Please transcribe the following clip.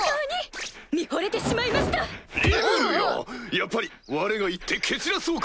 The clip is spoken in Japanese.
やっぱりわれが行って蹴散らそうか？